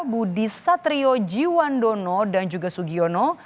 budi satrio jiwa jiwandono dan juga sugiono